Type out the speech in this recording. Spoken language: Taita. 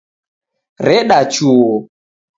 Reda chuo